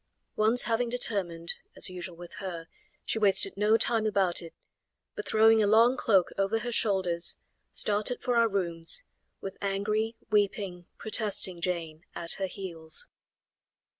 Once having determined, as usual with her, she wasted no time about it, but throwing a long cloak over her shoulders, started for our rooms, with angry, weeping, protesting Jane at her heels.